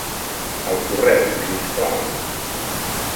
Al correu si us plau.